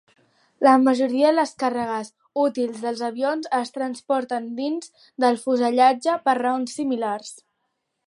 La majoria de les càrregues útils dels avions es transporten dins del fuselatge per raons similars.